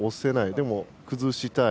でも、崩したい。